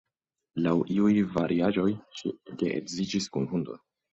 Laŭ iuj variaĵoj, ŝi geedziĝis kun hundo.